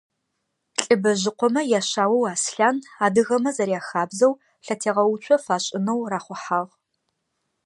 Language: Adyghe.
ЛӀыбэжъыкъомэ яшъаоу Аслъан, адыгэмэ зэряхабзэу, лъэтегъэуцо фашӏынэу рахъухьагъ.